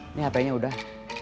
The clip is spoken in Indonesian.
ini hpnya udah